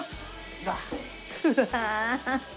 うわ！